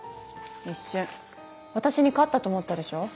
一瞬私に勝ったと思ったでしょ？